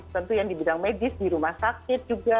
tentu yang di bidang medis di rumah sakit juga